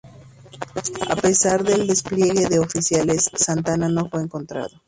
A pesar del despliegue de oficiales, Santana no fue encontrado.